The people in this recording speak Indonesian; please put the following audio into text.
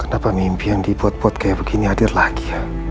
kenapa mimpi yang dibuat buat kayak begini hadir lagi